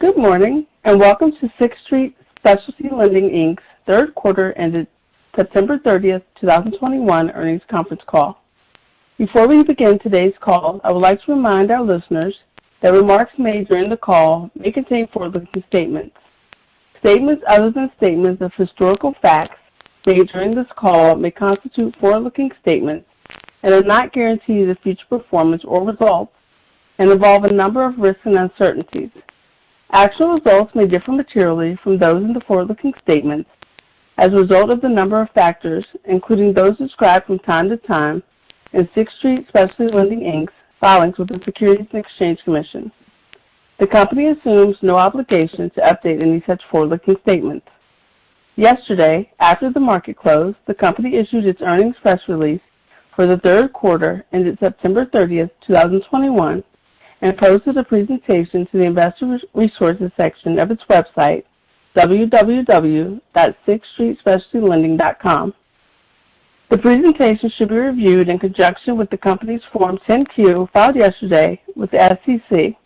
Good morning, and Welcome to Sixth Street Specialty Lending, Inc.'s Third Quarter Ended September 30th, 2021 Earnings Conference Call. Before we begin today's call, I would like to remind our listeners that remarks made during the call may contain forward-looking statements. Statements other than statements of historical fact made during this call may constitute forward-looking statements and are not guarantees of future performance or results and involve a number of risks and uncertainties. Actual results may differ materially from those in the forward-looking statements as a result of the number of factors, including those described from time to time in Sixth Street Specialty Lending, Inc.'s filings with the Securities and Exchange Commission. The company assumes no obligation to update any such forward-looking statements. Yesterday, after the market closed, the company issued its earnings press release for the third quarter ended September 30th, 2021, and posted a presentation to the Investor Resources section of its website, www.sixthstreetspecialtylending.com. The presentation should be reviewed in conjunction with the company's Form 10-Q filed yesterday with the SEC.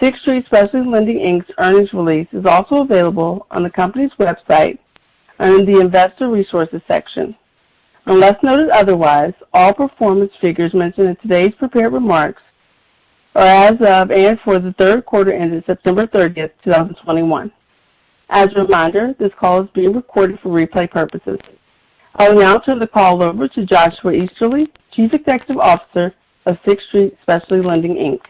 Sixth Street Specialty Lending, Inc.'s earnings release is also available on the company's website under the Investor Resources section. Unless noted otherwise, all performance figures mentioned in today's prepared remarks are as of and for the third quarter ended September 30th, 2021. As a reminder, this call is being recorded for replay purposes. I'll now turn the call over to Joshua Easterly, Chief Executive Officer of Sixth Street Specialty Lending, Inc.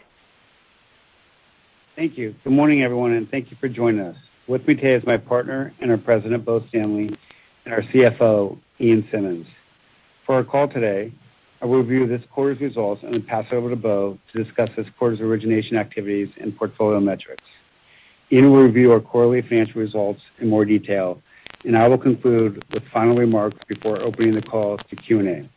Thank you. Good morning, everyone, and thank you for joining us. With me today is my partner and our President, Bo Stanley, and our CFO, Ian Simmonds. For our call today, I will review this quarter's results and pass over to Bo to discuss this quarter's origination activities and portfolio metrics. Ian will review our quarterly financial results in more detail, and I will conclude with final remarks before opening the call to Q&A.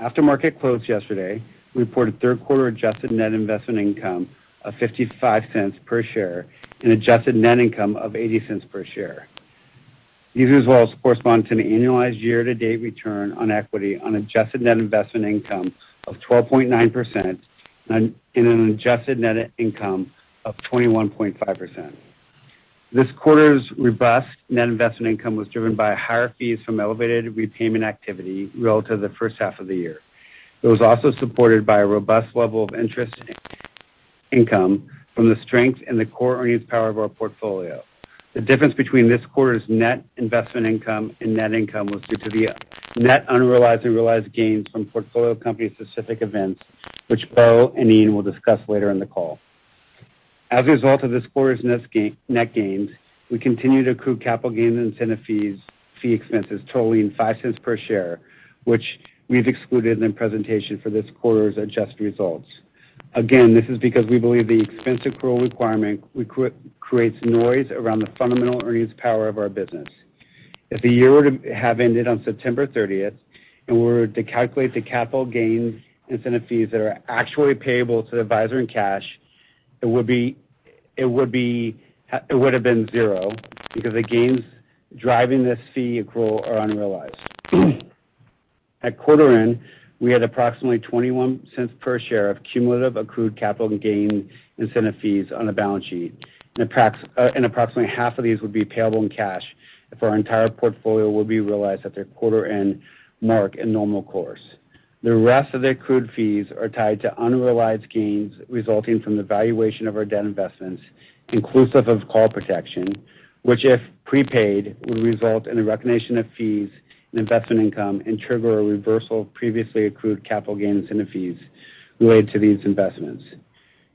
After market close yesterday, we reported third quarter adjusted net investment income of $0.55 per share and adjusted net income of $0.80 per share. These results correspond to an annualized year-to-date return on equity on adjusted net investment income of 12.9% and an adjusted net income of 21.5%. This quarter's robust net investment income was driven by higher fees from elevated repayment activity relative to the first half of the year. It was also supported by a robust level of interest income from the strength and the core earnings power of our portfolio. The difference between this quarter's net investment income and net income was due to the net unrealized and realized gains from portfolio company-specific events, which Bo and Ian will discuss later in the call. As a result of this quarter's net gains, we continue to accrue capital gains incentive fees, fee expenses totaling $0.05 per share, which we've excluded in the presentation for this quarter's adjusted results. Again, this is because we believe the expense accrual requirement creates noise around the fundamental earnings power of our business. If the year were to have ended on September 30th, and we were to calculate the capital gains incentive fees that are actually payable to the advisor in cash, it would have been zero because the gains driving this fee accrual are unrealized. At quarter end, we had approximately $0.21 per share of cumulative accrued capital gain incentive fees on the balance sheet, and approximately half of these would be payable in cash if our entire portfolio will be realized at their quarter end mark in normal course. The rest of the accrued fees are tied to unrealized gains resulting from the valuation of our debt investments, inclusive of call protection, which, if prepaid, would result in a recognition of fees and investment income and trigger a reversal of previously accrued capital gain incentive fees related to these investments.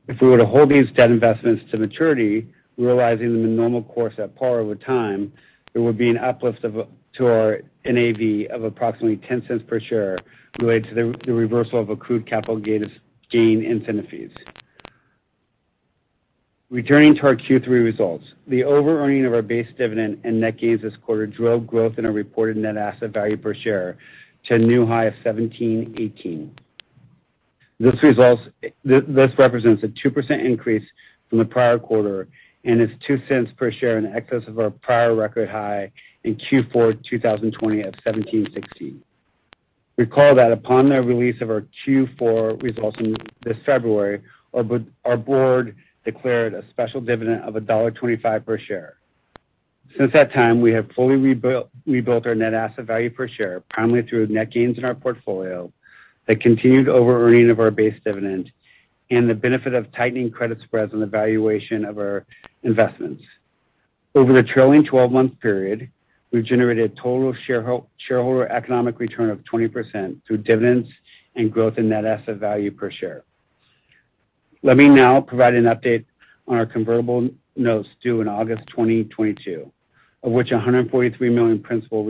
If we were to hold these debt investments to maturity, realizing them in normal course at par over time, there would be an uplift to our NAV of approximately $0.10 per share related to the reversal of accrued capital gain incentive fees. Returning to our Q3 results, the over-earning of our base dividend and net gains this quarter drove growth in our reported net asset value per share to a new high of $17.18. This represents a 2% increase from the prior quarter and is $0.02 per share in excess of our prior record high in Q4 2020 at $17.60. Recall that upon the release of our Q4 results in this February, our board declared a special dividend of $1.25 per share. Since that time, we have fully rebuilt our net asset value per share, primarily through net gains in our portfolio that continued over-earning of our base dividend and the benefit of tightening credit spreads on the valuation of our investments. Over the trailing 12-month period, we've generated total shareholder economic return of 20% through dividends and growth in net asset value per share. Let me now provide an update on our convertible notes due in August 2022, of which $143 million principal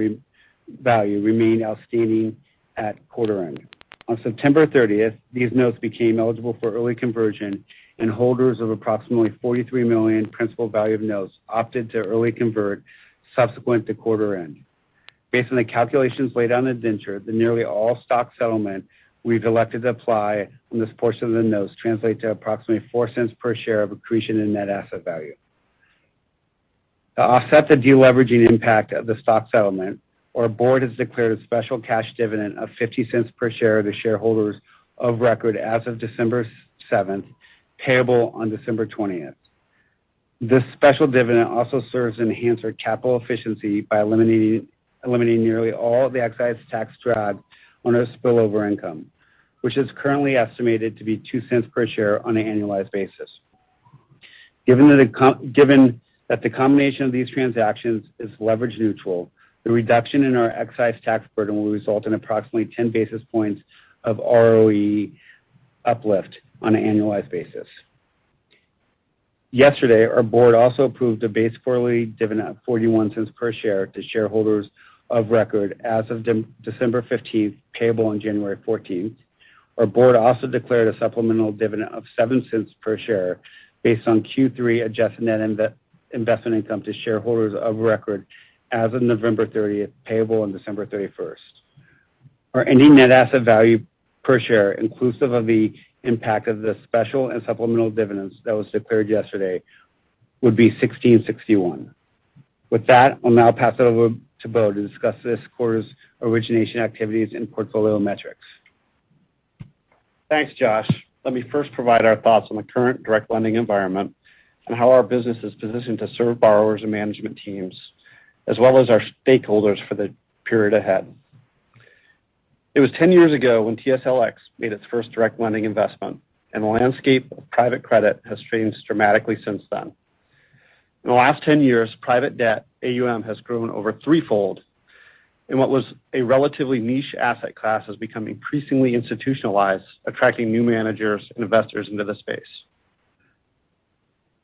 value remained outstanding at quarter end. On September 30, these notes became eligible for early conversion, and holders of approximately $43 million principal value of notes opted to early convert subsequent to quarter end. Based on the calculations laid out in the indenture, the nearly all-stock settlement we've elected to apply on this portion of the notes translate to approximately $0.04 per share of accretion in net asset value. To offset the deleveraging impact of the stock settlement, our board has declared a special cash dividend of $0.50 per share to shareholders of record as of December 7th, payable on December 20th. This special dividend also serves to enhance our capital efficiency by eliminating nearly all the excise tax drag on our spillover income, which is currently estimated to be $0.02 per share on an annualized basis. Given that the combination of these transactions is leverage neutral, the reduction in our excise tax burden will result in approximately 10 basis points of ROE uplift on an annualized basis. Yesterday, our board also approved a base quarterly dividend of $0.41 per share to shareholders of record as of December 15th, payable on January 14th. Our board also declared a supplemental dividend of $0.07 per share based on Q3 adjusted net investment income to shareholders of record as of November 30th, payable on December 31st. Our ending net asset value per share, inclusive of the impact of the special and supplemental dividends that was declared yesterday, would be $16.61. With that, I'll now pass it over to Bo to discuss this quarter's origination activities and portfolio metrics. Thanks, Josh. Let me first provide our thoughts on the current direct lending environment and how our business is positioned to serve borrowers and management teams as well as our stakeholders for the period ahead. It was 10 years ago when TSLX made its first direct lending investment, and the landscape of private credit has changed dramatically since then. In the last 10 years, private debt AUM has grown over threefold in what was a relatively niche asset class has become increasingly institutionalized, attracting new managers and investors into the space.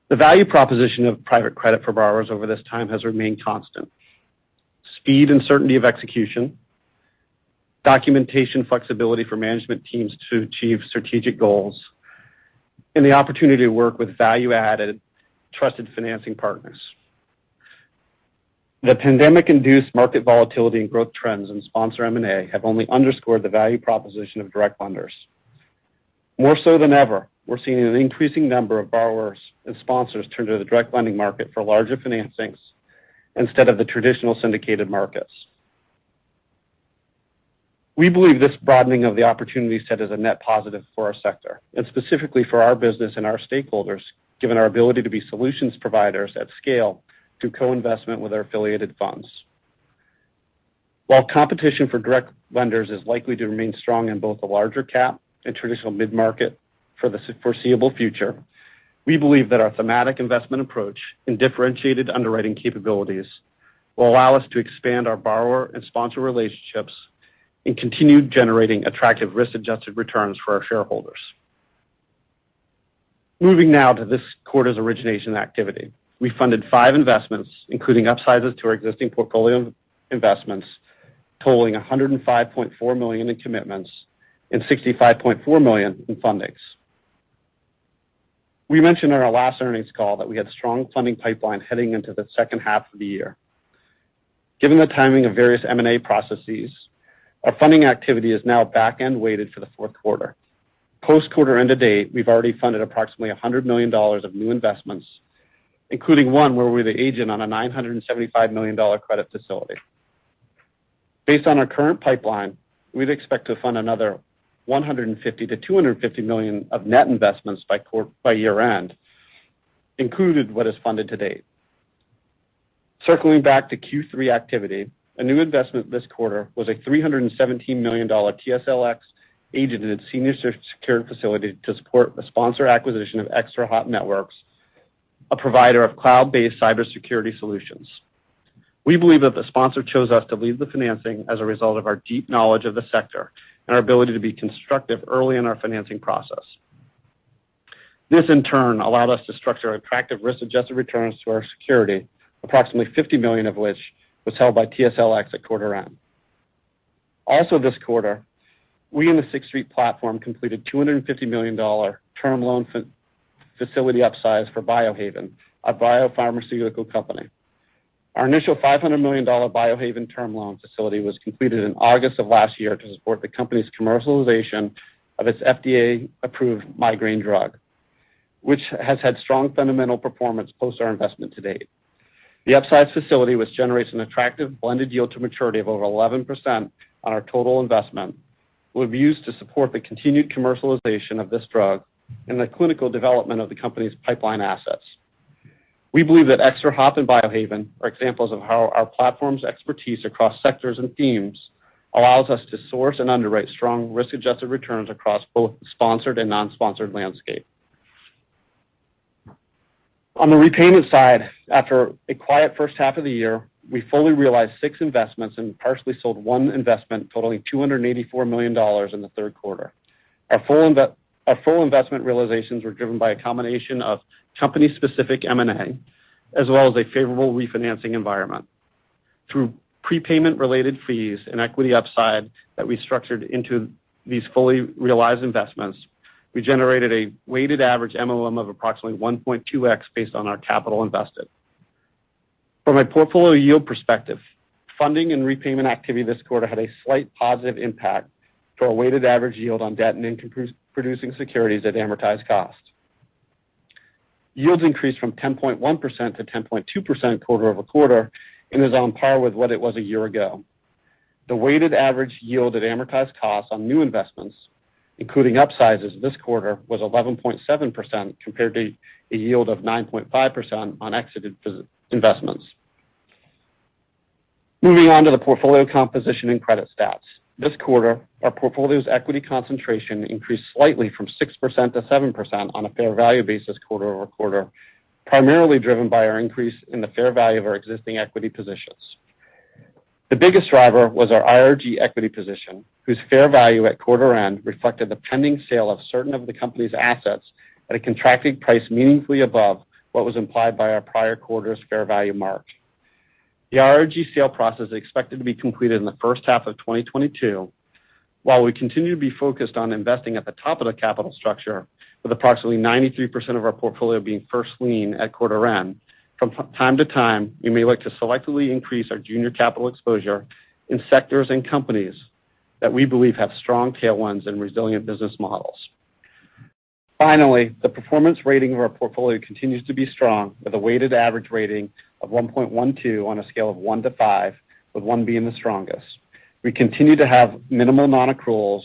The value proposition of private credit for borrowers over this time has remained constant. Speed and certainty of execution, documentation flexibility for management teams to achieve strategic goals, and the opportunity to work with value-added trusted financing partners. The pandemic-induced market volatility and growth trends in sponsor M&A have only underscored the value proposition of direct lenders. More so than ever, we're seeing an increasing number of borrowers and sponsors turn to the direct lending market for larger financings instead of the traditional syndicated markets. We believe this broadening of the opportunity set is a net positive for our sector and specifically for our business and our stakeholders, given our ability to be solutions providers at scale through co-investment with our affiliated funds. While competition for direct lenders is likely to remain strong in both the larger cap and traditional mid-market for the foreseeable future, we believe that our thematic investment approach and differentiated underwriting capabilities will allow us to expand our borrower and sponsor relationships and continue generating attractive risk-adjusted returns for our shareholders. Moving now to this quarter's origination activity. We funded five investments, including upsizes to our existing portfolio investments, totaling $105.4 million in commitments and $65.4 million in fundings. We mentioned on our last earnings call that we had a strong funding pipeline heading into the second half of the year. Given the timing of various M&A processes, our funding activity is now back-end weighted for the fourth quarter. Post-quarter end to date, we've already funded approximately $100 million of new investments, including one where we're the agent on a $975 million credit facility. Based on our current pipeline, we'd expect to fund another $150 million-$250 million of net investments by year-end, including what is funded to date. Circling back to Q3 activity, a new investment this quarter was a $317 million TSLX-agented senior secured facility to support the sponsor acquisition of ExtraHop Networks, a provider of cloud-based cybersecurity solutions. We believe that the sponsor chose us to lead the financing as a result of our deep knowledge of the sector and our ability to be constructive early in our financing process. This, in turn, allowed us to structure attractive risk-adjusted returns to our security, approximately $50 million of which was held by TSLX at quarter end. Also this quarter, we in the Sixth Street platform completed $250 million term loan facility upsize for Biohaven, a biopharmaceutical company. Our initial $500 million Biohaven term loan facility was completed in August of last year to support the company's commercialization of its FDA-approved migraine drug, which has had strong fundamental performance post our investment to date. The upsize facility, which generates an attractive blended yield to maturity of over 11% on our total investment, will be used to support the continued commercialization of this drug and the clinical development of the company's pipeline assets. We believe that ExtraHop and Biohaven are examples of how our platform's expertise across sectors and themes allows us to source and underwrite strong risk-adjusted returns across both sponsored and non-sponsored landscape. On the repayment side, after a quiet first half of the year, we fully realized six investments and partially sold one investment totaling $284 million in the third quarter. Our full investment realizations were driven by a combination of company-specific M&A as well as a favorable refinancing environment. Through prepayment-related fees and equity upside that we structured into these fully realized investments, we generated a weighted average MOIC of approximately 1.2x based on our capital invested. From a portfolio yield perspective, funding and repayment activity this quarter had a slight positive impact for a weighted average yield on debt and income-producing securities at amortized costs. Yields increased from 10.1% to 10.2% quarter-over-quarter, and it is on par with what it was a year ago. The weighted average yield at amortized costs on new investments, including upsizes this quarter, was 11.7% compared to a yield of 9.5% on exited investments. Moving on to the portfolio composition and credit stats. This quarter, our portfolio's equity concentration increased slightly from 6% to 7% on a fair value basis quarter-over-quarter, primarily driven by our increase in the fair value of our existing equity positions. The biggest driver was our IRG equity position, whose fair value at quarter end reflected the pending sale of certain of the company's assets at a contracted price meaningfully above what was implied by our prior quarter's fair value mark. The IRG sale process is expected to be completed in the first half of 2022. While we continue to be focused on investing at the top of the capital structure, with approximately 93% of our portfolio being first lien at quarter end, from time to time, we may look to selectively increase our junior capital exposure in sectors and companies that we believe have strong tailwinds and resilient business models. Finally, the performance rating of our portfolio continues to be strong, with a weighted average rating of 1.12 on a scale of 1 to 5, with 1 being the strongest. We continue to have minimal non-accruals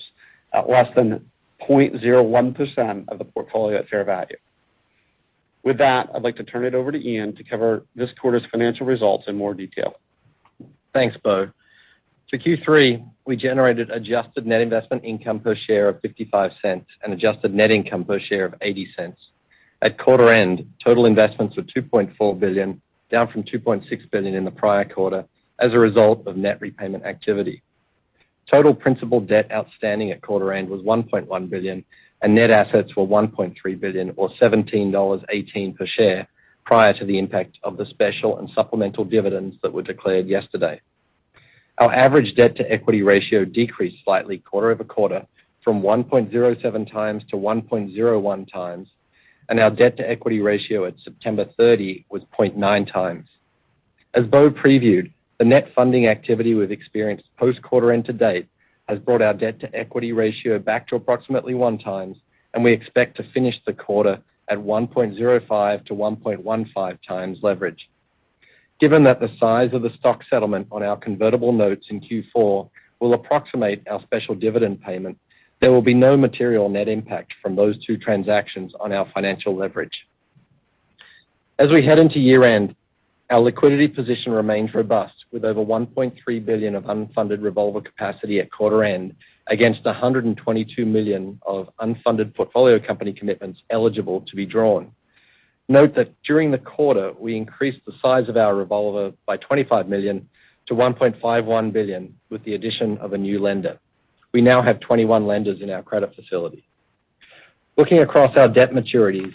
at less than 0.01% of the portfolio at fair value. With that, I'd like to turn it over to Ian to cover this quarter's financial results in more detail. Thanks, Bo. To Q3, we generated adjusted net investment income per share of $0.55 and adjusted net income per share of $0.80. At quarter end, total investments were $2.4 billion, down from $2.6 billion in the prior quarter as a result of net repayment activity. Total principal debt outstanding at quarter end was $1.1 billion, and net assets were $1.3 billion or $17.18 per share prior to the impact of the special and supplemental dividends that were declared yesterday. Our average debt-to-equity ratio decreased slightly quarter-over-quarter from 1.07x to 1.01x, and our debt-to-equity ratio at September 30th was 0.9x. As Bo previewed, the net funding activity we've experienced post-quarter and to date has brought our debt-to-equity ratio back to approximately 1x, and we expect to finish the quarter at 1.05x-1.15x leverage. Given that the size of the stock settlement on our convertible notes in Q4 will approximate our special dividend payment, there will be no material net impact from those two transactions on our financial leverage. As we head into year-end, our liquidity position remains robust, with over $1.3 billion of unfunded revolver capacity at quarter end against $122 million of unfunded portfolio company commitments eligible to be drawn. Note that during the quarter, we increased the size of our revolver by $25 million to $1.51 billion with the addition of a new lender. We now have 21 lenders in our credit facility. Looking across our debt maturities,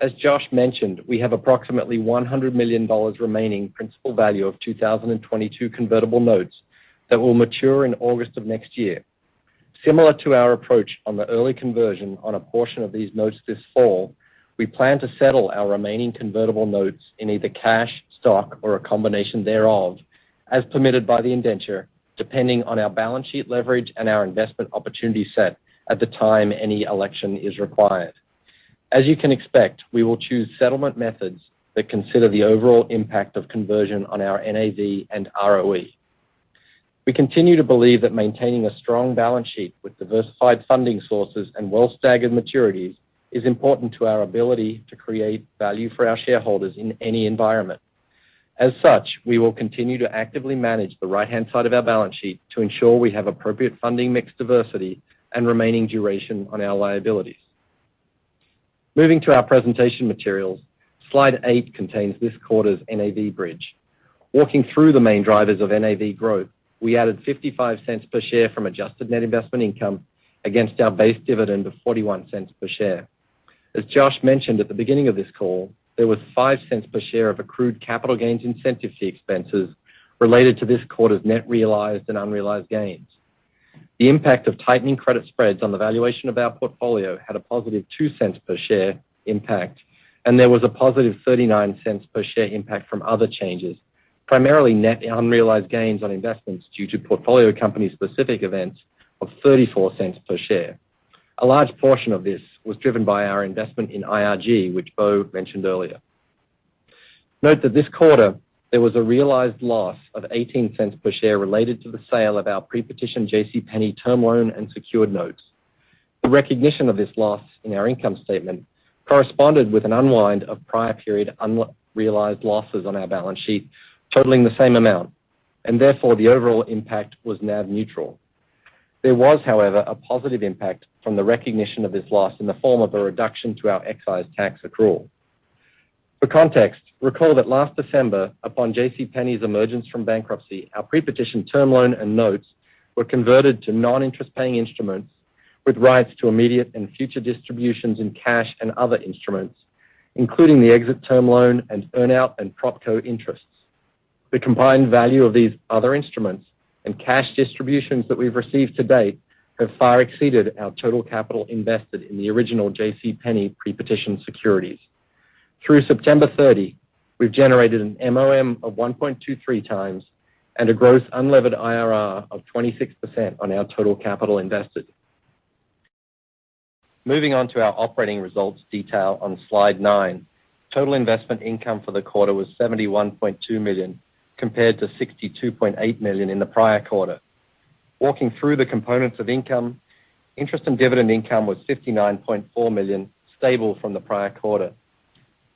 as Josh mentioned, we have approximately $100 million remaining principal value of 2022 convertible notes that will mature in August of next year. Similar to our approach on the early conversion on a portion of these notes this fall, we plan to settle our remaining convertible notes in either cash, stock, or a combination thereof as permitted by the indenture, depending on our balance sheet leverage and our investment opportunity set at the time any election is required. As you can expect, we will choose settlement methods that consider the overall impact of conversion on our NAV and ROE. We continue to believe that maintaining a strong balance sheet with diversified funding sources and well-staggered maturities is important to our ability to create value for our shareholders in any environment. As such, we will continue to actively manage the right-hand side of our balance sheet to ensure we have appropriate funding mix diversity and remaining duration on our liabilities. Moving to our presentation materials. Slide 8 contains this quarter's NAV bridge. Walking through the main drivers of NAV growth, we added $0.55 per share from adjusted net investment income against our base dividend of $0.41 per share. As Josh mentioned at the beginning of this call, there was $0.05 per share of accrued capital gains incentive fee expenses related to this quarter's net realized and unrealized gains. The impact of tightening credit spreads on the valuation of our portfolio had a positive $0.02 per share impact, and there was a positive $0.39 per share impact from other changes, primarily net and unrealized gains on investments due to portfolio company-specific events of $0.34 per share. A large portion of this was driven by our investment in IRG, which Bo mentioned earlier. Note that this quarter, there was a realized loss of $0.18 per share related to the sale of our pre-petition JCPenney term loan and secured notes. The recognition of this loss in our income statement corresponded with an unwind of prior period unrealized losses on our balance sheet, totaling the same amount, and therefore, the overall impact was NAV neutral. There was, however, a positive impact from the recognition of this loss in the form of a reduction to our excise tax accrual. For context, recall that last December, upon JCPenney's emergence from bankruptcy, our pre-petition term loan and notes were converted to non-interest paying instruments with rights to immediate and future distributions in cash and other instruments, including the exit term loan and earn-out and propco interests. The combined value of these other instruments and cash distributions that we've received to date have far exceeded our total capital invested in the original JCPenney pre-petition securities. Through September 30th, we've generated an MOM of 1.23x and a gross unlevered IRR of 26% on our total capital invested. Moving on to our operating results detail on slide 9. Total investment income for the quarter was $71.2 million, compared to $62.8 million in the prior quarter. Walking through the components of income, interest and dividend income was $59.4 million, stable from the prior quarter.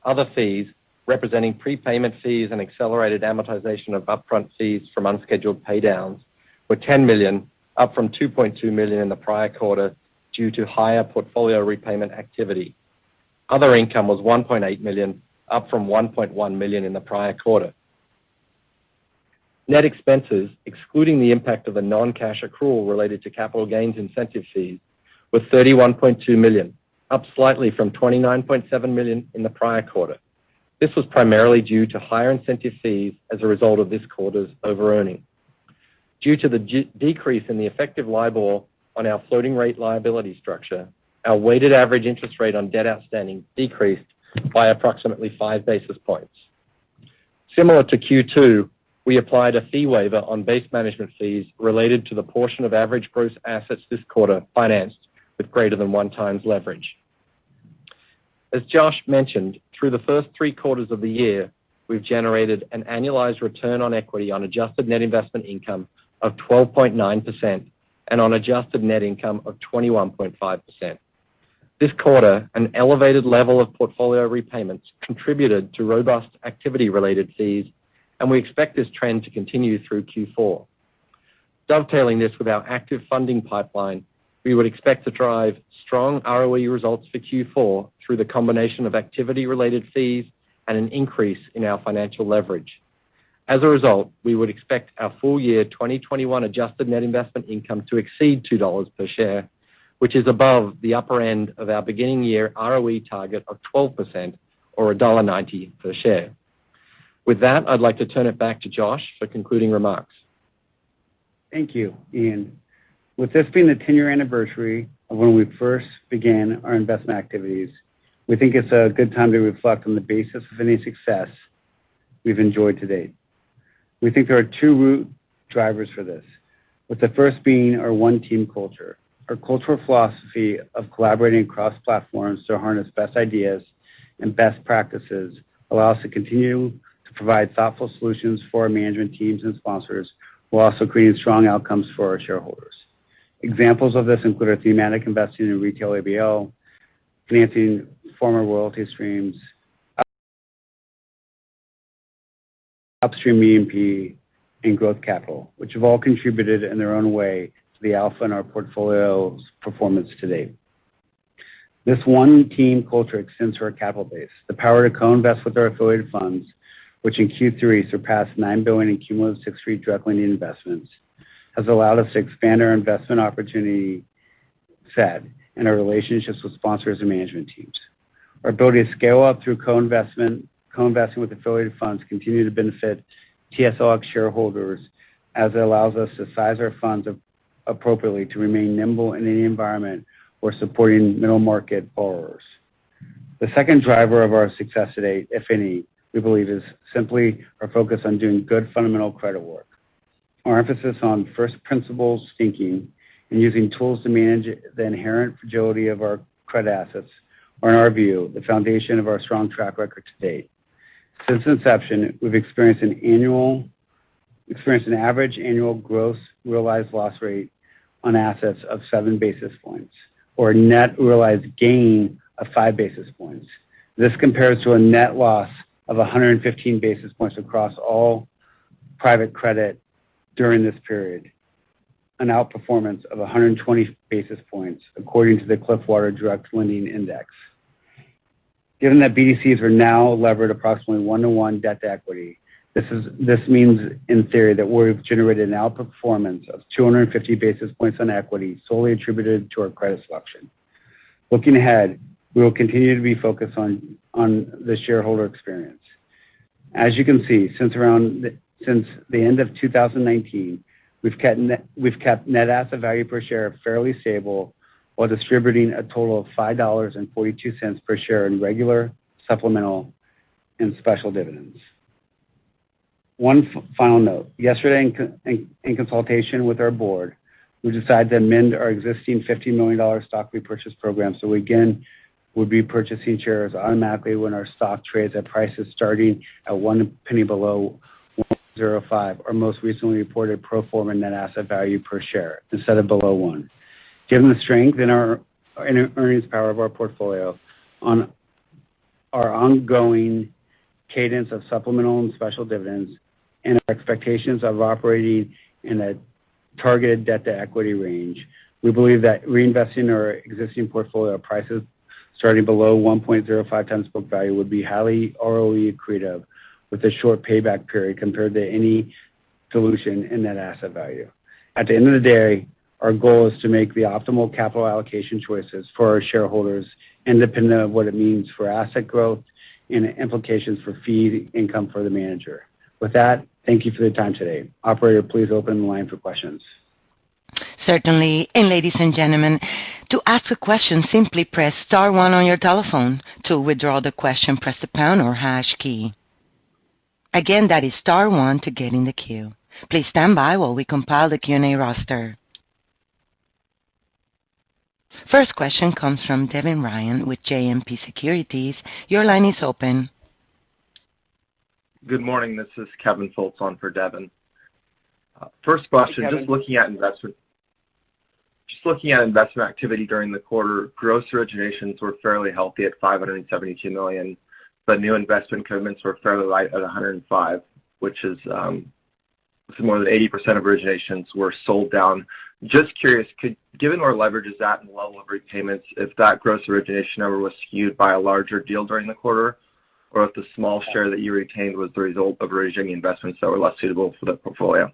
Other fees, representing prepayment fees and accelerated amortization of upfront fees from unscheduled pay downs, were $10 million, up from $2.2 million in the prior quarter due to higher portfolio repayment activity. Other income was $1.8 million, up from $1.1 million in the prior quarter. Net expenses, excluding the impact of a non-cash accrual related to capital gains incentive fees, was $31.2 million, up slightly from $29.7 million in the prior quarter. This was primarily due to higher incentive fees as a result of this quarter's overearning. Due to the decrease in the effective LIBOR on our floating rate liability structure, our weighted average interest rate on debt outstanding decreased by approximately five basis points. Similar to Q2, we applied a fee waiver on base management fees related to the portion of average gross assets this quarter financed with greater than 1x leverage. As Josh mentioned, through the first three quarters of the year, we've generated an annualized return on equity on adjusted net investment income of 12.9% and on adjusted net income of 21.5%. This quarter, an elevated level of portfolio repayments contributed to robust activity-related fees, and we expect this trend to continue through Q4. Dovetailing this with our active funding pipeline, we would expect to drive strong ROE results for Q4 through the combination of activity-related fees and an increase in our financial leverage. As a result, we would expect our full year 2021 adjusted net investment income to exceed $2 per share, which is above the upper end of our beginning year ROE target of 12% or $1.90 per share. With that, I'd like to turn it back to Josh for concluding remarks. Thank you, Ian. With this being the 10-year anniversary of when we first began our investment activities, we think it's a good time to reflect on the basis of any success we've enjoyed to date. We think there are 2 root drivers for this. With the first being our one team culture. Our cultural philosophy of collaborating across platforms to harness best ideas and best practices allow us to continue to provide thoughtful solutions for our management teams and sponsors, while also creating strong outcomes for our shareholders. Examples of this include our thematic investing in retail ABL, financing pharma royalty streams, upstream E&P, and growth capital, which have all contributed in their own way to the alpha in our portfolio's performance to date. This one team culture extends to our capital base. The power to co-invest with our affiliated funds, which in Q3 surpassed $9 billion in cumulative Sixth Street direct lending investments, has allowed us to expand our investment opportunity set and our relationships with sponsors and management teams. Our ability to scale up through co-investment, co-investing with affiliated funds continue to benefit TSLX shareholders as it allows us to size our funds appropriately to remain nimble in any environment while supporting middle market borrowers. The second driver of our success today, if any, we believe is simply our focus on doing good fundamental credit work. Our emphasis on first principles thinking and using tools to manage the inherent fragility of our credit assets are, in our view, the foundation of our strong track record to date. Since inception, we've experienced an average annual gross realized loss rate on assets of 7 basis points or a net realized gain of 5 basis points. This compares to a net loss of 115 basis points across all private credit during this period, an outperformance of 120 basis points according to the Cliffwater Direct Lending Index. Given that BDCs are now levered approximately 1-to-1 debt to equity, this means in theory that we've generated an outperformance of 250 basis points on equity solely attributed to our credit selection. Looking ahead, we will continue to be focused on the shareholder experience. As you can see, since the end of 2019, we've kept net asset value per share fairly stable while distributing a total of $5.42 per share in regular, supplemental, and special dividends. One final note. Yesterday, in consultation with our board, we decided to amend our existing $50 million stock repurchase program so we again will be purchasing shares automatically when our stock trades at prices starting at one penny below 105, our most recently reported pro forma net asset value per share instead of below one. Given the strength in our earnings power of our portfolio on our ongoing cadence of supplemental and special dividends and our expectations of operating in a targeted debt-to-equity range, we believe that reinvesting our existing portfolio prices starting below 1.05x book value would be highly ROE accretive with a short payback period compared to any dilution in net asset value. At the end of the day, our goal is to make the optimal capital allocation choices for our shareholders independent of what it means for asset growth and implications for fee income for the manager. With that, thank you for your time today. Operator, please open the line for questions. Certainly. Ladies and gentlemen, to ask a question, simply press star one on your telephone. To withdraw the question, press the pound or hash key. Again, that is star one to get in the queue. Please stand by while we compile the Q&A roster. First question comes from Devin Ryan with JMP Securities. Your line is open. Good morning. This is Kevin Fultz on for Devin. First question- Hi, Kevin. Just looking at investment activity during the quarter, gross originations were fairly healthy at $572 million, but new investment commitments were fairly light at $105 million, which is more than 80% of originations were sold down. Just curious, given where leverage is at and the level of repayments, if that gross origination number was skewed by a large deal during the quarter, or if the small share that you retained was the result of origination investments that were less suitable for the portfolio.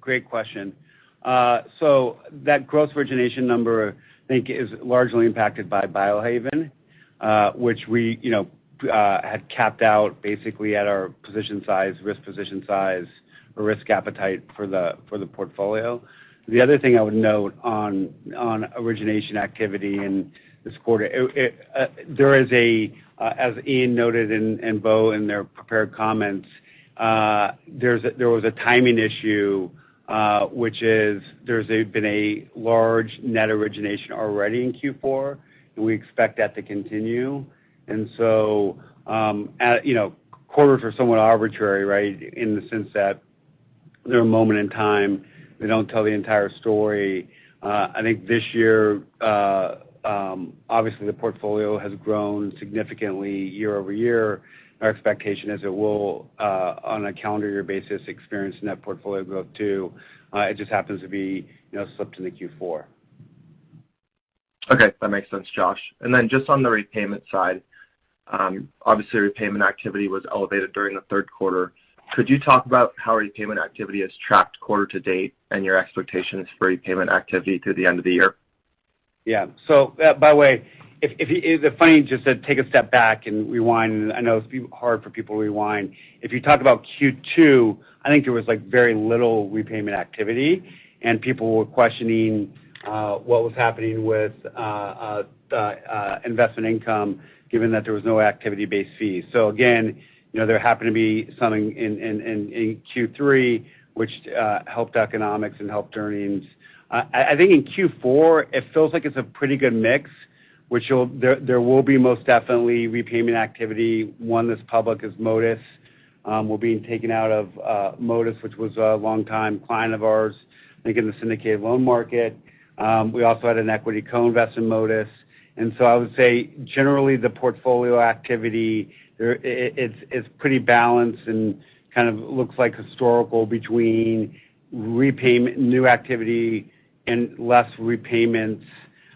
Great question. That gross origination number, I think, is largely impacted by Biohaven, which we, you know, had capped out basically at our position size or risk appetite for the portfolio. The other thing I would note on origination activity in this quarter, there is a, as Ian noted, and Bo in their prepared comments, there was a timing issue, which is there's been a large net origination already in Q4, and we expect that to continue. You know, quarters are somewhat arbitrary, right? In the sense that they're a moment in time, they don't tell the entire story. I think this year, obviously the portfolio has grown significantly year-over-year. Our expectation is it will, on a calendar year basis, experience net portfolio growth too. It just happens to be, you know, slipped into Q4. Okay, that makes sense, Josh. Just on the repayment side, obviously repayment activity was elevated during the third quarter. Could you talk about how repayment activity has tracked quarter to date and your expectations for repayment activity through the end of the year? Yeah. By the way, if I need you to take a step back and rewind, I know it's hard for people to rewind. If you talk about Q2, I think there was, like, very little repayment activity, and people were questioning what was happening with the investment income given that there was no activity-based fee. Again, you know, there happened to be something in Q3 which helped economics and helped earnings. I think in Q4, it feels like it's a pretty good mix. There will be most definitely repayment activity. One that's public is Moda will be taken out of Moda, which was a long-time client of ours, I think in the syndicated loan market. We also had an equity co-invest in Moda. I would say generally the portfolio activity there, it's pretty balanced and kind of looks like historical between repayment, new activity and less repayments,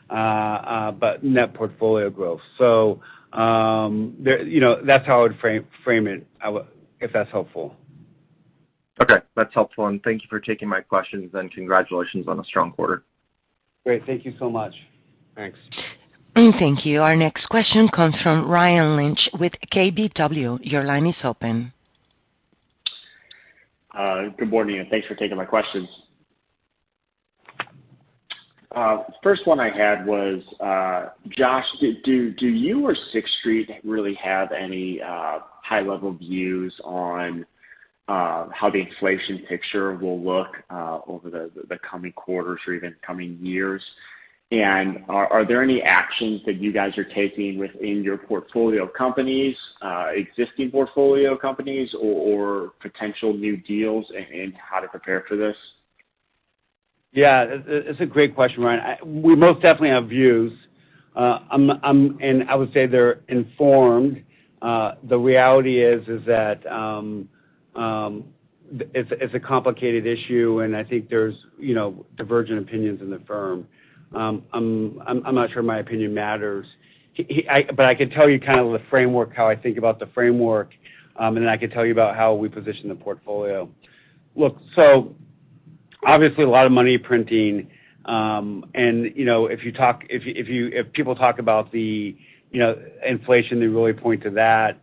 but net portfolio growth. You know, that's how I would frame it. If that's helpful. Okay. That's helpful, and thank you for taking my questions, and congratulations on a strong quarter. Great. Thank you so much. Thanks. Thank you. Our next question comes from Ryan Lynch with KBW. Your line is open. Good morning, and thanks for taking my questions. First one I had was, Josh, do you or Sixth Street really have any high-level views on how the inflation picture will look over the coming quarters or even coming years? Are there any actions that you guys are taking within your portfolio companies, existing portfolio companies or potential new deals in how to prepare for this? Yeah. It's a great question, Ryan. We most definitely have views. I would say they're informed. The reality is that it's a complicated issue, and I think there's, you know, divergent opinions in the firm. I'm not sure my opinion matters. I can tell you kind of the framework, how I think about the framework, and then I can tell you about how we position the portfolio. Look, obviously a lot of money printing, and, you know, if people talk about the, you know, inflation, they really point to that.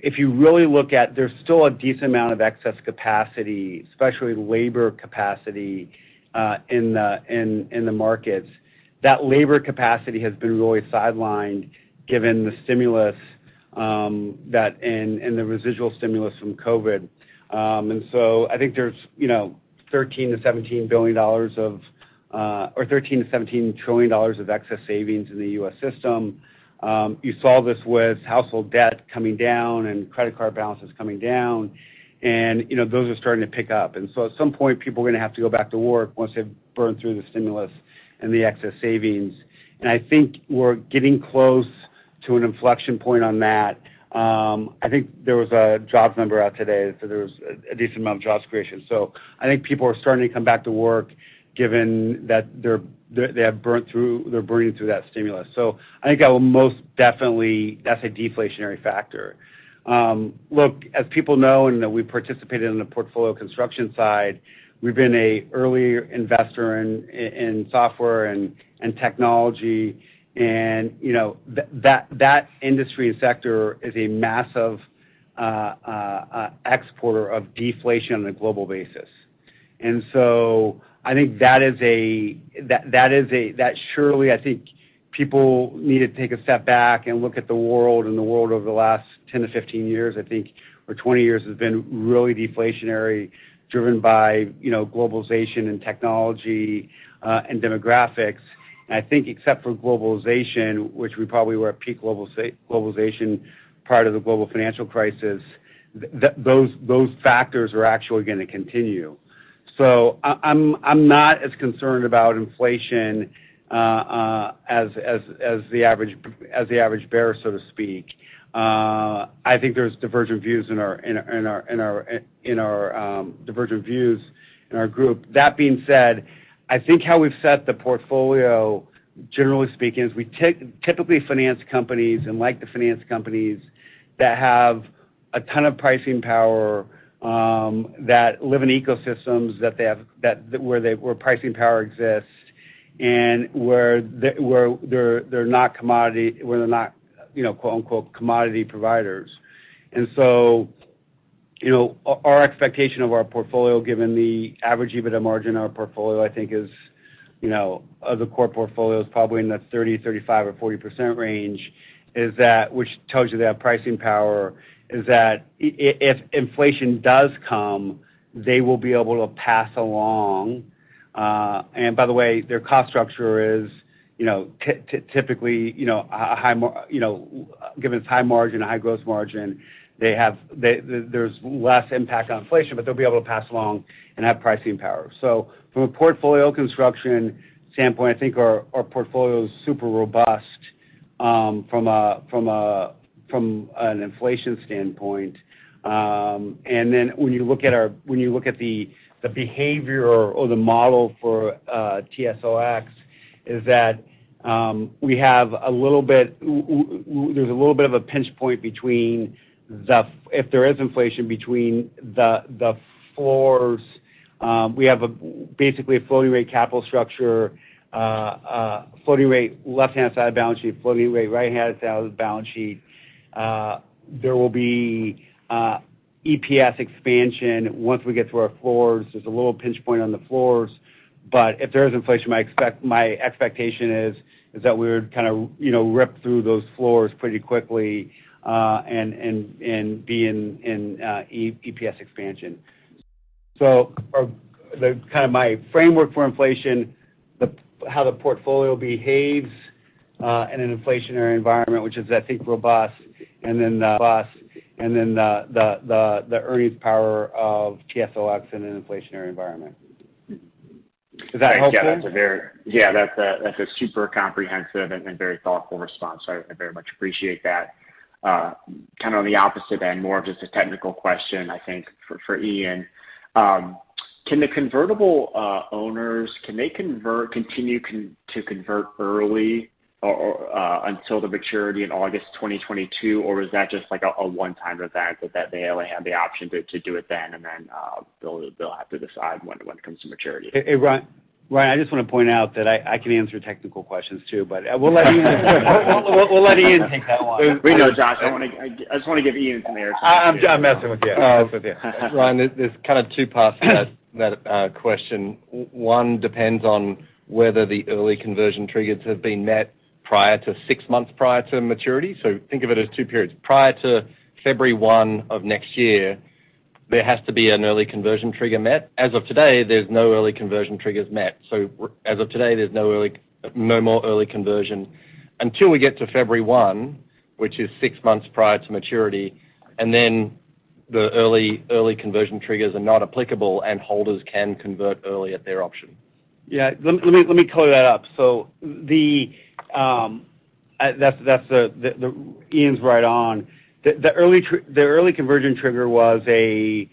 If you really look at, there's still a decent amount of excess capacity, especially labor capacity, in the markets. That labor capacity has been really sidelined given the stimulus, that and the residual stimulus from COVID. I think there's, you know, $13 trillion-$17 trillion of excess savings in the U.S. system. You saw this with household debt coming down and credit card balances coming down and, you know, those are starting to pick up. At some point, people are gonna have to go back to work once they've burned through the stimulus and the excess savings. I think we're getting close to an inflection point on that. I think there was a jobs number out today. There was a decent amount of jobs creation. I think people are starting to come back to work given that they're burning through that stimulus. I think that will most definitely be a deflationary factor. Look, as people know, we've participated in the portfolio construction side. We've been an early investor in software and technology, you know, that industry sector is a massive exporter of deflation on a global basis. I think that is a deflationary factor. Surely, I think people need to take a step back and look at the world, and the world over the last 10-15 years, I think, or 20 years has been really deflationary, driven by, you know, globalization and technology, and demographics. I think except for globalization, which we probably were at peak globalization part of the global financial crisis, those factors are actually gonna continue. I'm not as concerned about inflation as the average bear, so to speak. I think there's divergent views in our group. That being said, I think how we've set the portfolio, generally speaking, is we typically finance companies and like to finance companies that have a ton of pricing power, that live in ecosystems, that they have... where pricing power exists and where they're not commodity, where they're not, you know, quote-unquote, "commodity providers." Our expectation of our portfolio, given the average EBITDA margin of our portfolio, I think is, you know, of the core portfolio is probably in the 30%, 35% or 40% range, which tells you they have pricing power, if inflation does come, they will be able to pass along. By the way, their cost structure is, you know, typically, you know, given its high margin, a high gross margin, they have. There's less impact on inflation, but they'll be able to pass along and have pricing power. From a portfolio construction standpoint, I think our portfolio is super robust from an inflation standpoint. When you look at the behavior or the model for TSLX, there's a little bit of a pinch point between the floors if there is inflation between the floors. We have basically a floating rate capital structure, floating rate left-hand side of the balance sheet, floating rate right-hand side of the balance sheet. There will be EPS expansion once we get to our floors. There's a little pinch point on the floors. If there is inflation, my expectation is that we would kind of, you know, rip through those floors pretty quickly, and be in EPS expansion. the kind of my framework for inflation, how the portfolio behaves in an inflationary environment, which I think is robust, and then the earnings power of TSLX in an inflationary environment. Does that help? Yeah. That's a super comprehensive and very thoughtful response. I very much appreciate that. Kind of on the opposite end, more of just a technical question, I think for Ian. Can the convertible owners convert early or until the maturity in August 2022, or is that just like a one-time event that they only have the option to do it then and then they'll have to decide when it comes to maturity? Hey, Ryan, I just want to point out that I can answer technical questions too, but we'll let Ian take that one. We know, Josh. I just want to give Ian some air time. I'm messing with you. Oh, it's okay. Ryan, there's kind of two parts to that question. One depends on whether the early conversion triggers have been met prior to six months prior to maturity. Think of it as two periods. Prior to February 1 of next year, there has to be an early conversion trigger met. As of today, there's no early conversion triggers met. As of today, there's no more early conversion until we get to February 1, which is six months prior to maturity. Then the early conversion triggers are not applicable, and holders can convert early at their option. Yeah. Let me color that up. That's Ian's right on. The early conversion trigger was a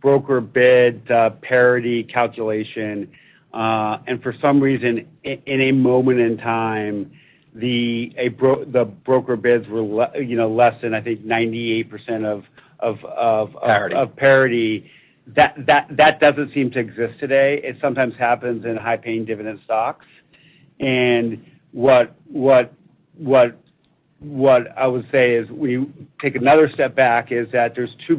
broker bid parity calculation. For some reason, in a moment in time, the broker bids were, you know, less than, I think 98% of Parity... of parity. That doesn't seem to exist today. It sometimes happens in high-paying dividend stocks. What I would say is we take another step back, is that there's two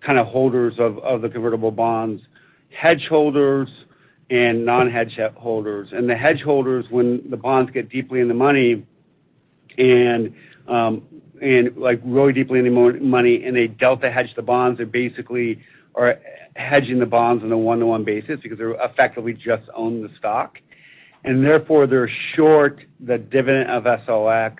kinds of holders of the convertible bonds: hedged holders and non-hedged holders. The hedged holders, when the bonds get deeply in the money and like really deeply in the money and they delta-hedge the bonds, they basically are hedging the bonds on a one-to-one basis because they effectively just own the stock. Therefore, they're short the dividend of TSLX,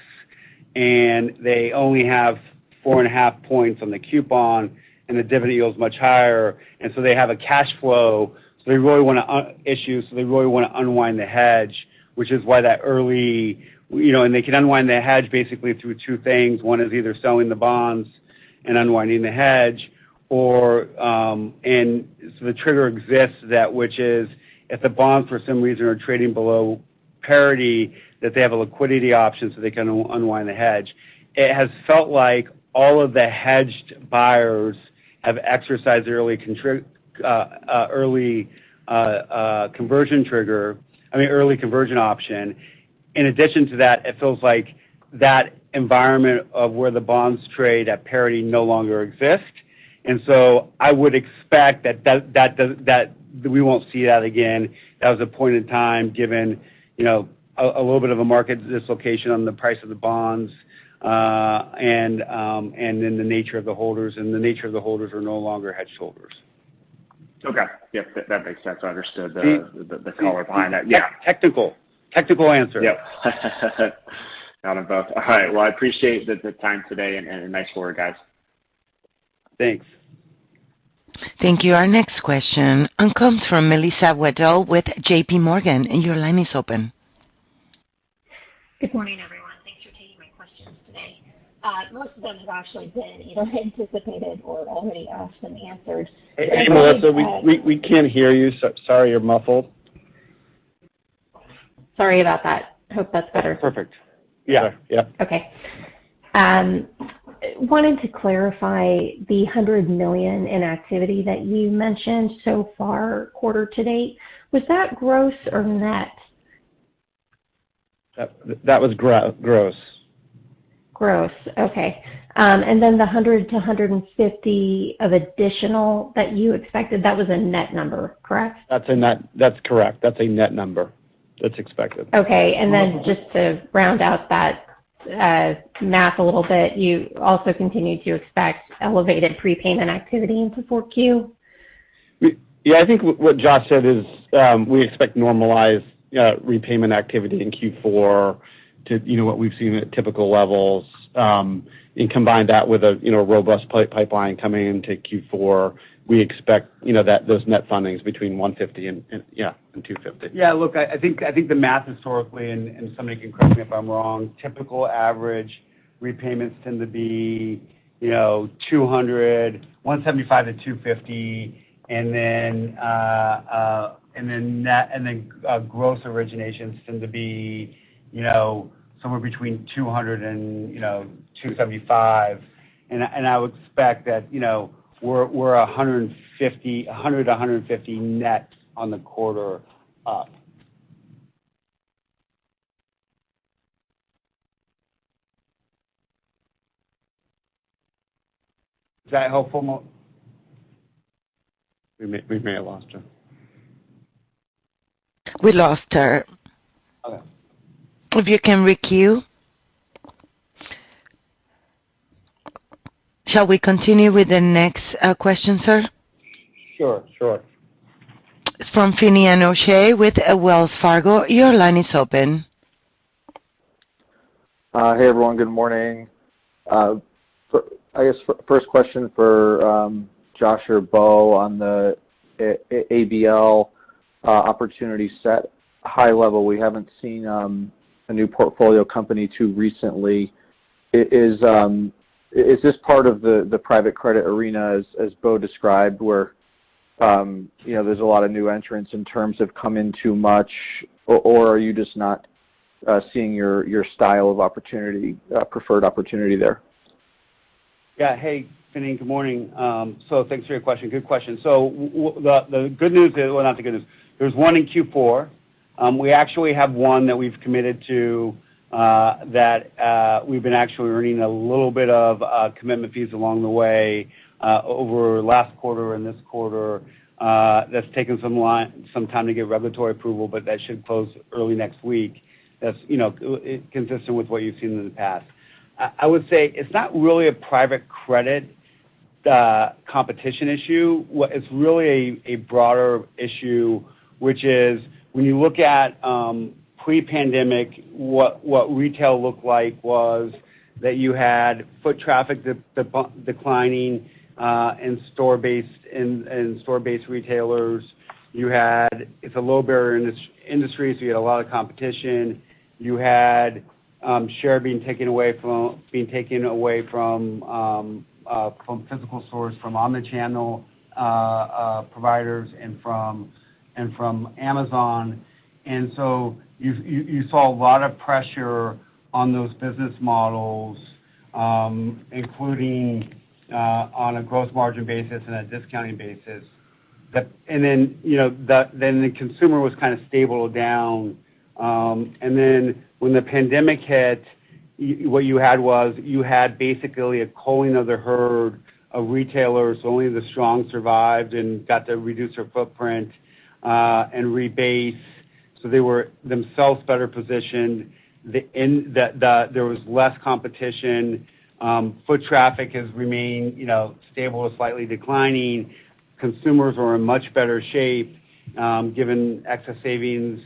and they only have 4.5 points on the coupon, and the dividend yield is much higher. They have a cash flow, so they really want to unwind the hedge, which is why that early... You know, they can unwind the hedge basically through two things. One is either selling the bonds and unwinding the hedge or. The trigger exists that which is, if the bonds, for some reason, are trading below parity, that they have a liquidity option, so they can unwind the hedge. It has felt like all of the hedged buyers have exercised early conversion trigger, I mean, early conversion option. In addition to that, it feels like that environment of where the bonds trade at parity no longer exists. I would expect that we won't see that again. That was a point in time given, you know, a little bit of a market dislocation on the price of the bonds, and then the nature of the holders are no longer hedged holders. Okay. Yep, that makes sense. I understood the. See- the color behind that. Yeah. Technical. Technical answer. Yep. Got them both. All right. Well, I appreciate the time today, and nice quarter, guys. Thanks. Thank you. Our next question comes from Melissa Wedel with J.P. Morgan. Your line is open. Good morning, everyone. Thanks for taking my questions today. Most of them have actually been either anticipated or already asked and answered. Hey, Melissa, we can't hear you. Sorry, you're muffled. Sorry about that. Hope that's better. Perfect. Yeah. Yeah. Okay. Wanted to clarify the $100 million in activity that you mentioned so far, quarter to date. Was that gross or net? That was gross. Okay, the $100-$150 of additional that you expected, that was a net number, correct? That's a net. That's correct. That's a net number that's expected. Just to round out that math a little bit, you also continue to expect elevated prepayment activity into 4Q? Yeah, I think what Joshua said is, we expect normalized repayment activity in Q4 to what we've seen at typical levels. Combine that with a robust pipeline coming into Q4. We expect those net fundings between $150 million and $250 million. Yeah, look, I think the math historically, and somebody can correct me if I'm wrong, typical average repayments tend to be, you know, $175 million-$250 million. Gross originations tend to be, you know, somewhere between $200 million and $275 million. I would expect that, you know, we're $100 million-$150 million net on the quarter up. Is that helpful Mo- We may have lost her. We lost her. Okay. If you can re-queue. Shall we continue with the next question, sir? Sure, sure. From Finian O'Shea with Wells Fargo. Your line is open. Hey, everyone. Good morning. I guess first question for Josh or Bo on the ABL opportunity set high level. We haven't seen a new portfolio company too recently. Is this part of the private credit arena as Bo described, where you know, there's a lot of new entrants in terms of coming too much? Or are you just not seeing your style of opportunity, preferred opportunity there? Yeah. Hey, Finian, good morning. Thanks for your question. Good question. Well, the good news is... Well, not the good news. There's one in Q4. We actually have one that we've committed to, that we've been actually earning a little bit of commitment fees along the way, over last quarter and this quarter, that's taken some time to get regulatory approval, but that should close early next week. That's, you know, consistent with what you've seen in the past. I would say it's not really a private credit competition issue. It's really a broader issue, which is when you look at pre-pandemic, what retail looked like was that you had foot traffic declining, and store-based retailers. You had... It's a low barrier in this industry, so you had a lot of competition. You had share being taken away from physical stores, from omni-channel providers and from Amazon. You saw a lot of pressure on those business models, including on a gross margin basis and a discounting basis. The consumer was kind of stable down. When the pandemic hit, what you had was basically a culling of the herd of retailers, only the strong survived and got to reduce their footprint and rebase. They were themselves better positioned. There was less competition. Foot traffic has remained, you know, stable or slightly declining. Consumers are in much better shape, given excess savings.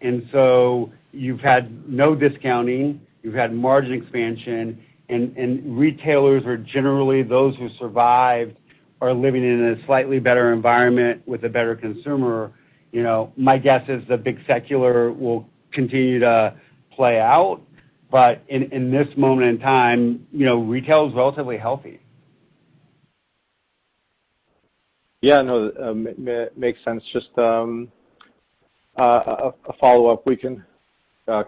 You've had no discounting, you've had margin expansion. Retailers or generally those who survived are living in a slightly better environment with a better consumer. You know, my guess is the big secular will continue to play out. In this moment in time, you know, retail is relatively healthy. Yeah, no, makes sense. Just a follow-up. We can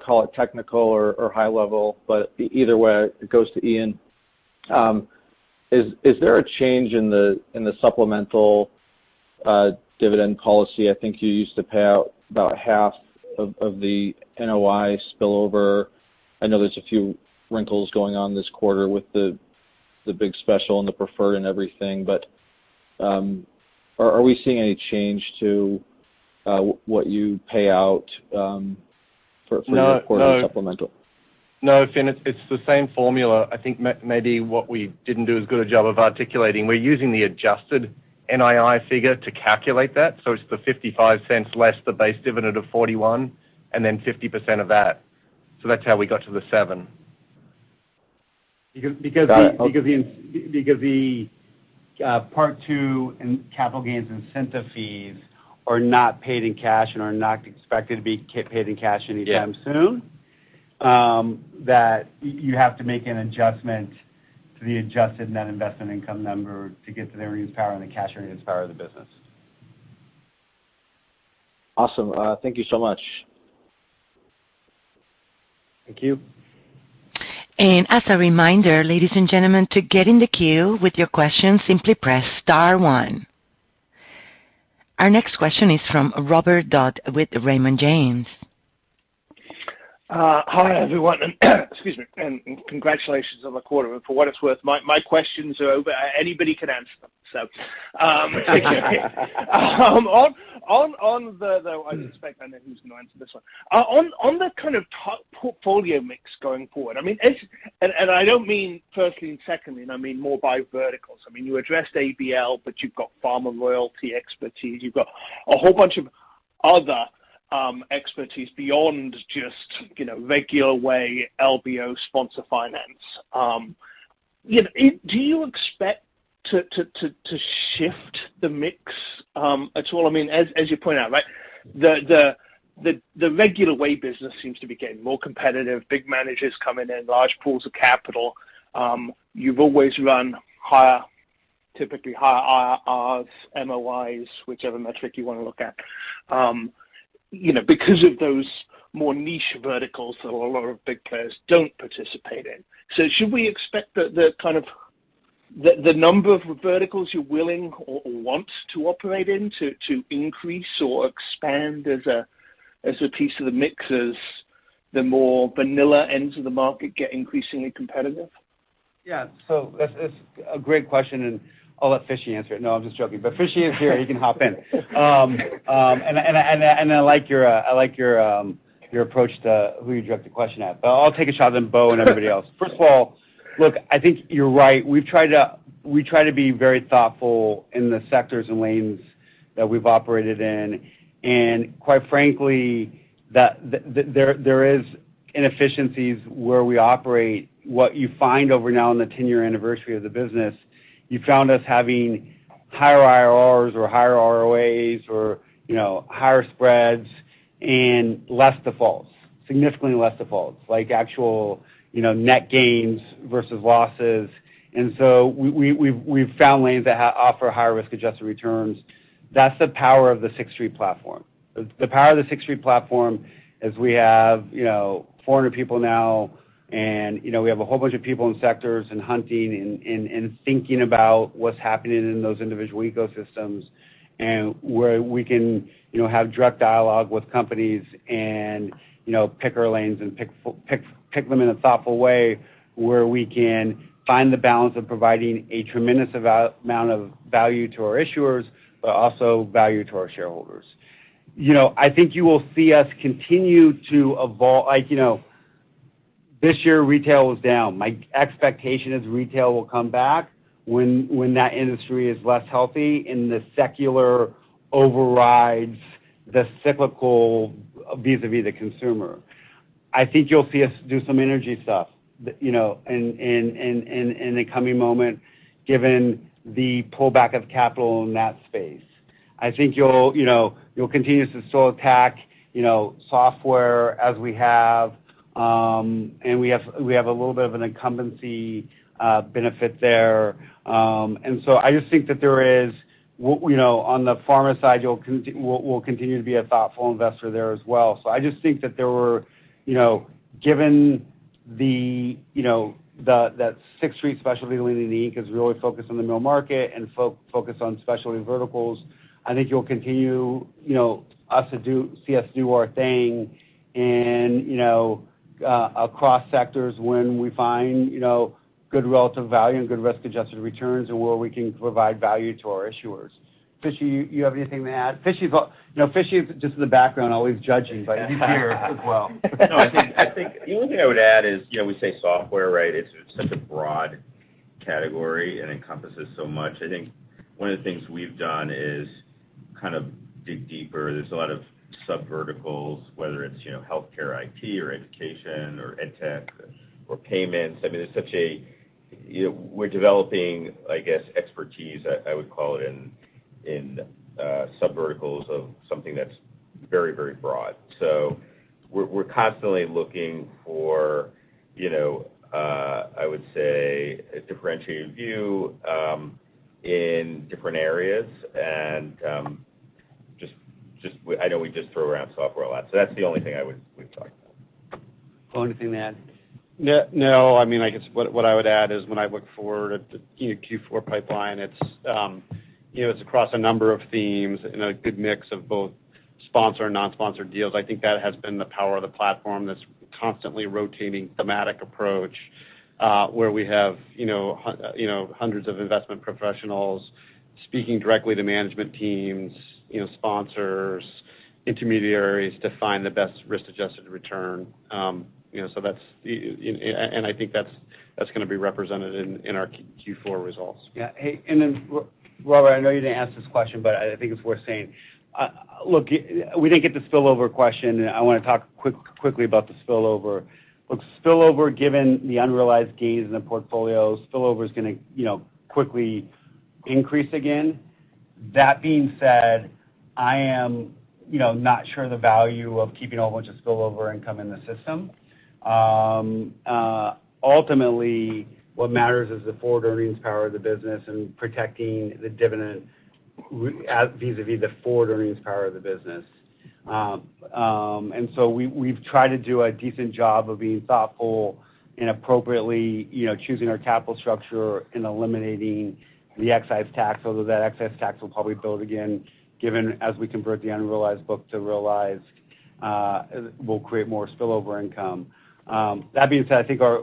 call it technical or high level, but either way it goes to Ian. Is there a change in the supplemental dividend policy? I think you used to pay out about half of the NOI spillover. I know there's a few wrinkles going on this quarter with the big special and the preferred and everything, but are we seeing any change to what you pay out for- No, no. the supplemental? No, Finian, it's the same formula. I think maybe what we didn't do as good a job of articulating, we're using the adjusted NII figure to calculate that, so it's the $0.55 less the base dividend of $0.41 and then 50% of that. That's how we got to the 7. Because Got it. Okay. Because the part two in capital gains incentive fees are not paid in cash and are not expected to be paid in cash anytime soon. Yeah. That you have to make an adjustment to the adjusted net investment income number to get to the earnings power and the cash earnings power of the business. Awesome. Thank you so much. Thank you. As a reminder, ladies and gentlemen, to get in the queue with your questions, simply press star one. Our next question is from Robert Dodd with Raymond James. Hi, everyone. Excuse me, and congratulations on the quarter. For what it's worth, my questions are open. Anybody can answer them. I suspect I know who's going to answer this one. On the kind of portfolio mix going forward, I mean, as. I don't mean firstly and secondly, and I mean more by verticals. I mean, you addressed ABL, but you've got pharma royalties expertise. You've got a whole bunch of other expertise beyond just, you know, regular way LBO sponsor finance. You know, do you expect to shift the mix at all? I mean, as you point out, right, the regular way business seems to be getting more competitive. Big managers come in large pools of capital. You've always run higher, typically higher IRRs, MOICs, whichever metric you wanna look at, you know, because of those more niche verticals that a lot of big players don't participate in. Should we expect the kind of number of verticals you're willing or want to operate in to increase or expand as a piece of the mix, the more vanilla ends of the market get increasingly competitive? Yeah. That's a great question, and I'll let Fishie answer it. No, I'm just joking. Fishie is here. He can hop in. I like your approach to who you direct the question at. I'll take a shot at it, then Bo and everybody else. First of all, look, I think you're right. We try to be very thoughtful in the sectors and lanes that we've operated in. Quite frankly, there is inefficiencies where we operate. What you find over the ten-year anniversary of the business, you found us having higher IRRs or higher ROAs or, you know, higher spreads and less defaults, significantly less defaults, like actual, you know, net gains versus losses. We've found lanes that offer higher risk-adjusted returns. That's the power of the Sixth Street platform. The power of the Sixth Street platform is we have, you know, 400 people now, and, you know, we have a whole bunch of people in sectors and hunting and thinking about what's happening in those individual ecosystems and where we can, you know, have direct dialogue with companies and, you know, pick our lanes and pick them in a thoughtful way where we can find the balance of providing a tremendous amount of value to our issuers, but also value to our shareholders. You know, I think you will see us continue to evolve like, you know, this year retail was down. My expectation is retail will come back when that industry is less healthy and the secular overrides the cyclical vis-a-vis the consumer. I think you'll see us do some energy stuff, you know, in the coming months, given the pullback of capital in that space. I think you'll see us attack, you know, software as we have. We have a little bit of an incumbency benefit there. I just think that, you know, on the pharma side, we'll continue to be a thoughtful investor there as well. I just think that, you know, given that Sixth Street Specialty Lending, Inc. is really focused on the middle market and focused on specialty verticals. I think you'll continue to see us do our thing and, you know, across sectors when we find, you know, good relative value and good risk-adjusted returns and where we can provide value to our issuers. Fishie, you have anything to add? Fishie is, you know, just in the background, always judging, but he's here as well. No. I think the only thing I would add is, you know, we say software, right? It's such a broad category and encompasses so much. I think one of the things we've done is kind of dig deeper. There's a lot of subverticals, whether it's, you know, healthcare IT or education or edtech or payments. I mean, we're developing, I guess, expertise I would call it in subverticals of something that's very, very broad. We're constantly looking for, you know, I would say a differentiated view in different areas, and just, I know we just throw around software a lot, so that's the only thing I would talk about. Bo, anything to add? No, no. I mean, I guess what I would add is when I look forward to the Q4 pipeline, it's across a number of themes and a good mix of both sponsored, non-sponsored deals. I think that has been the power of the platform that's constantly rotating thematic approach, where we have hundreds of investment professionals speaking directly to management teams, sponsors, intermediaries to find the best risk-adjusted return. I think that's gonna be represented in our Q4 results. Yeah. Hey, then, Robert, I know you didn't ask this question, but I think it's worth saying. Look, we didn't get the spillover question. I wanna talk quickly about the spillover. Look, spillover, given the unrealized gains in the portfolio, spillover is gonna, you know, quickly increase again. That being said, I am, you know, not sure the value of keeping a whole bunch of spillover income in the system. Ultimately, what matters is the forward earnings power of the business and protecting the dividend vis-à-vis the forward earnings power of the business. We've tried to do a decent job of being thoughtful and appropriately, you know, choosing our capital structure and eliminating the excise tax, although that excise tax will probably build again, given as we convert the unrealized book to realized, we'll create more spillover income. That being said, I think our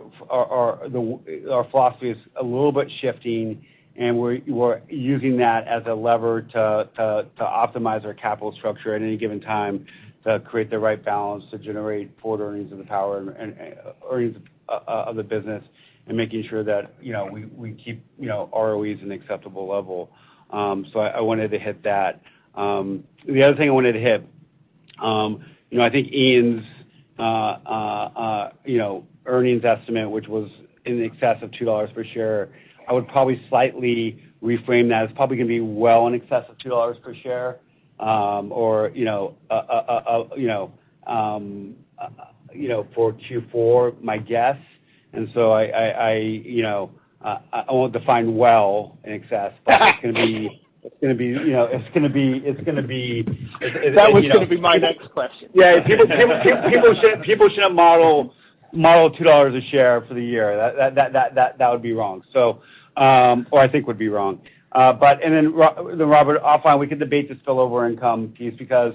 philosophy is a little bit shifting, and we're using that as a lever to optimize our capital structure at any given time to create the right balance, to generate forward earnings of the power and earnings of the business and making sure that, you know, we keep, you know, ROEs in acceptable level. I wanted to hit that. The other thing I wanted to hit, you know, I think Ian's earnings estimate, which was in excess of $2 per share, I would probably slightly reframe that. It's probably gonna be well in excess of $2 per share, or, you know, you know, for Q4, my guess. I, you know, I won't define well in excess, but it's gonna be, you know, it's gonna be it you know. That was gonna be my next question. Yeah. People shouldn't model $2 a share for the year. That would be wrong. Or I think it would be wrong. But then Robert, I'll find we can debate the spillover income piece because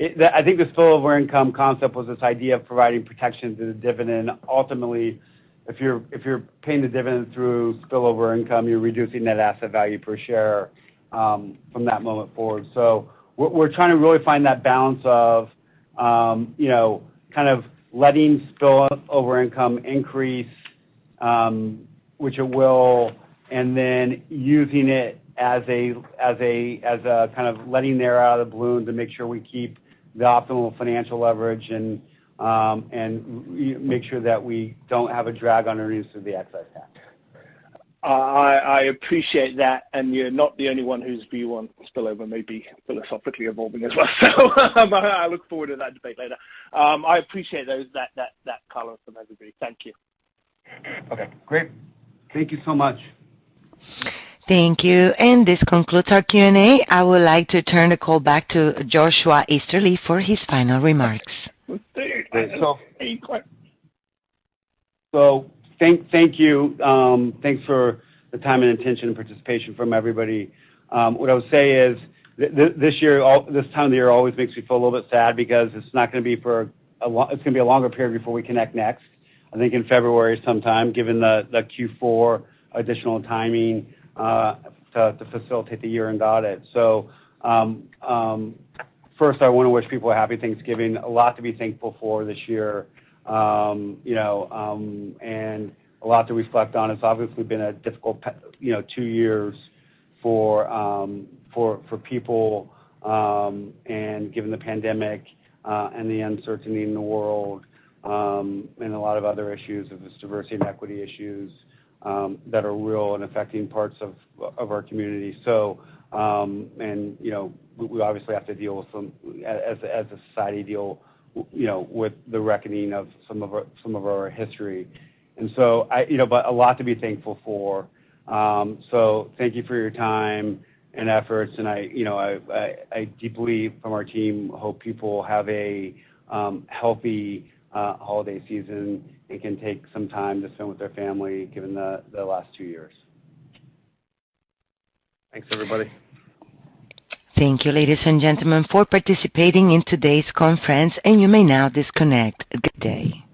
I think the spillover income concept was this idea of providing protection to the dividend. Ultimately, if you're paying the dividend through spillover income, you're reducing net asset value per share from that moment forward. We're trying to really find that balance of, you know, kind of letting spillover income increase, which it will, and then using it as a kind of letting air out of the balloon to make sure we keep the optimal financial leverage and make sure that we don't have a drag on earnings through the excise tax. I appreciate that, and you're not the only one whose view on spillover may be philosophically evolving as well. I look forward to that debate later. I appreciate that color from everybody. Thank you. Okay, great. Thank you so much. Thank you. This concludes our Q&A. I would like to turn the call back to Joshua Easterly for his final remarks. So- Any quest- Thank you. Thanks for the time and attention and participation from everybody. What I would say is this time of the year always makes me feel a little bit sad because it's gonna be a longer period before we connect next. I think in February sometime, given the Q4 additional timing to facilitate the year-end audit. First I wanna wish people a happy Thanksgiving. A lot to be thankful for this year. You know, a lot to reflect on. It's obviously been a difficult two years for people and given the pandemic and the uncertainty in the world and a lot of other issues, this diversity and equity issues that are real and affecting parts of our community. You know, we obviously have to deal with some, as a society deal, you know, with the reckoning of some of our history. You know, a lot to be thankful for. Thank you for your time and efforts. I deeply from our team hope people have a healthy holiday season and can take some time to spend with their family given the last two years. Thanks, everybody. Thank you, ladies and gentlemen, for participating in today's conference, and you may now disconnect. Good day.